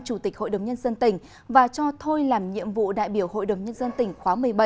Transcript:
chủ tịch hội đồng nhân dân tỉnh và cho thôi làm nhiệm vụ đại biểu hội đồng nhân dân tỉnh khóa một mươi bảy